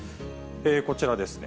こちらですね。